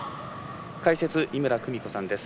解説、井村久美子さんです。